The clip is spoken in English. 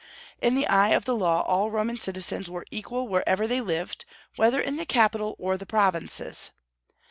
In the eye of the law all Roman citizens were equal wherever they lived, whether in the capital or the provinces.